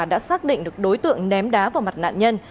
đã xác định được đối tượng ném đá vào mặt nạn nhân